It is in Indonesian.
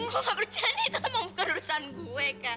enggak berjalan itu emang bukan urusan gue kak